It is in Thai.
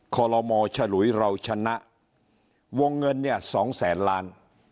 คลมฉลุยเราชนะวงเงินเนี่ย๒๐๐๐๐๐ล้าน